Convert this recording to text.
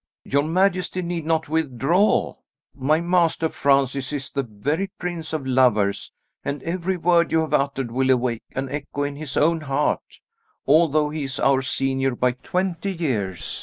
"Your majesty need not withdraw. My master, Francis, is the very prince of lovers, and every word you have uttered will awake an echo in his own heart, although he is our senior by twenty years.